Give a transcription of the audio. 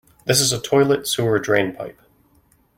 This is a toilet sewer drain pipe.